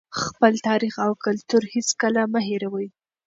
خپل تاریخ او کلتور هېڅکله مه هېروئ.